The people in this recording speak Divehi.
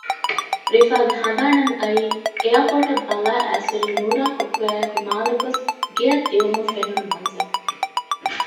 ރިފާގެ ހަނދާނަށް އައީ އެއާޕޯޓަށް ބަލާއައިސް ހުރި ނޫރާ ކޮއްކޮއާއެކު މާލެ ގޮސް ގެޔަށް ދިއުމުން ފެނުނު މަންޒަރު